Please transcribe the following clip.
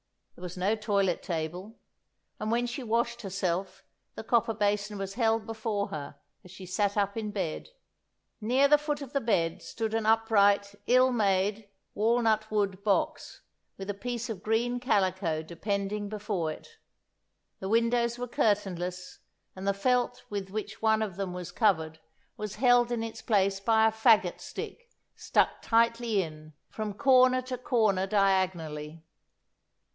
There was no toilet table; and when she washed herself, the copper basin was held before her as she sat up in bed. Near the foot of the bed stood an upright, ill made walnut wood box, with a piece of green calico depending before it. The windows were curtainless, and the felt with which one of them was covered was held in its place by a faggot stick, stuck tightly in, from corner to corner diagonally.